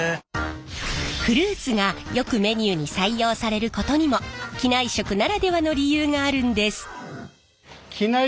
フルーツがよくメニューに採用されることにも機内食ならではの理由があるんです。